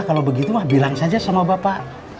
kalau begitu mah bilang saja sama bapak